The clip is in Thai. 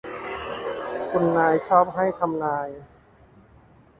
คุณนายชอบให้ทำนาย